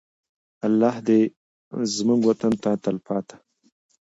الله دې زموږ وطن ته تلپاته.